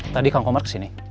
tadi kang komar kesini